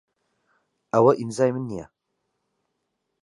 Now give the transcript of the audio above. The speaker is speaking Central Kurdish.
ئەوە ئیمزای من نییە.